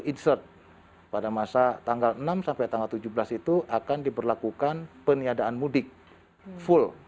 eatsert pada masa tanggal enam sampai tanggal tujuh belas itu akan diberlakukan peniadaan mudik full